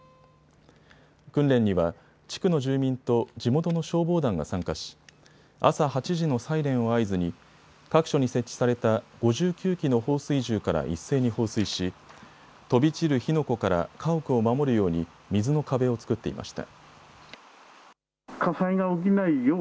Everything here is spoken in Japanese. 訓練には地区の住民と地元の消防団が参加し朝８時のサイレンを合図に各所に設置された５９基の放水銃から一斉に放水し飛び散る火の粉から家屋を守るように水の壁を作っていました。